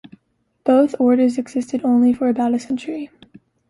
Both orders existed only for about a century.